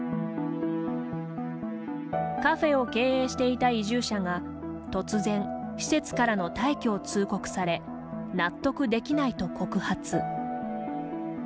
カフェを経営していた移住者が突然、施設からの退去を通告され納得できないと告発。